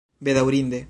bedaurinde